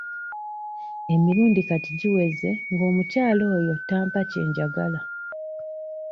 Emirundi kati giweze ng'omukyala oyo tampa kye njagala.